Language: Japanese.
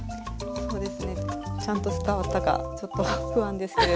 そうですねちゃんと伝わったかちょっと不安ですけれども。